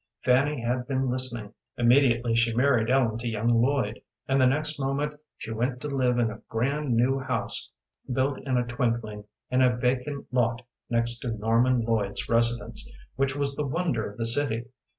Fanny had been listening. Immediately she married Ellen to young Lloyd, and the next moment she went to live in a grand new house built in a twinkling in a vacant lot next to Norman Lloyd's residence, which was the wonder of the city.